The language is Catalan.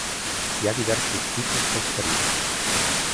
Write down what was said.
Hi ha diversos tipus d'esperits.